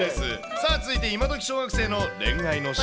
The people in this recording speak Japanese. さあ、続いて今どき小学生の恋愛の新常識。